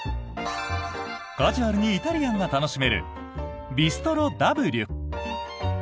カジュアルにイタリアンが楽しめるＢｉｓｔｒｏＷ。